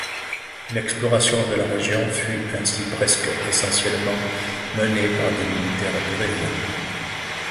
L'exploration de la région fut ainsi presque essentiellement menée par des militaires péruviens.